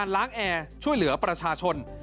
ล้างแอร์ช่วยเหลือประชาชน